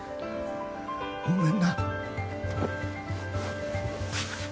ごめんな